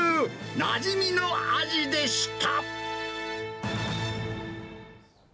なじみの味でした。